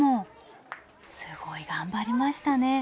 すごい頑張りましたね。